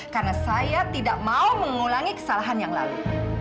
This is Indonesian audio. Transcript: karena saya tidak mau mengulangi kesalahan yang lalu